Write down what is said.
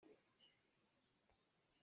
An si a ṭha ngai.